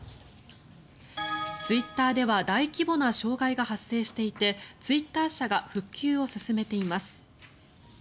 ツイッターでは大規模な障害が発生していてツイッター社が復旧を進めています。